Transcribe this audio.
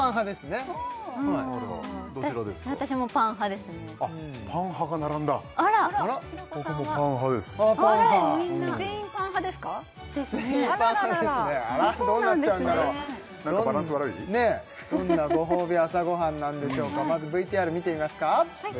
ねえどんなご褒美朝ごはんなんでしょうかまずＶＴＲ見てみますか？